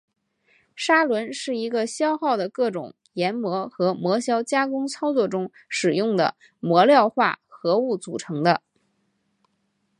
砂轮是一个消耗的各种研磨和磨削加工操作中使用的磨料化合物组成的。